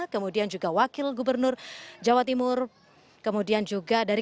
kemudian juga wakil gubernur jawa timur